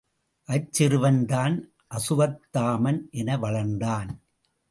அச்சிறுவன்தான் அசுவத்தாமன் என வளர்ந்தான்.